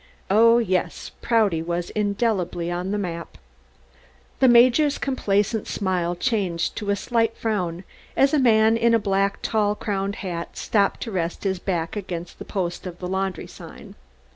Oh, yes, Prouty was indelibly on the map. The Major's complacent smile changed to a slight frown as a man in a black tall crowned hat stopped to rest his back against the post of the Laundry sign.